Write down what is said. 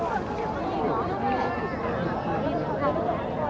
มันเป็นสิ่งที่จะให้ทุกคนรู้สึกว่ามันเป็นสิ่งที่จะให้ทุกคนรู้สึกว่า